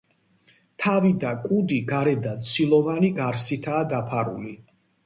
თავი და კუდი გარედან ცილოვანი გარსითაა დაფარული.